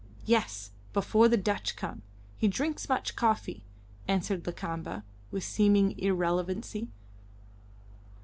"Yes; before the Dutch come. He drinks much coffee," answered Lakamba, with seeming irrelevancy.